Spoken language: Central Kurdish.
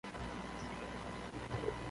ژیانی منت ڕزگار کرد.